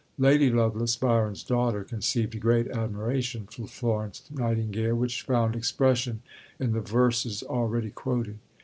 Lady Lovelace, Byron's daughter, conceived a great admiration for Florence Nightingale, which found expression in the verses already quoted.